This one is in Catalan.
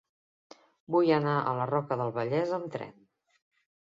Vull anar a la Roca del Vallès amb tren.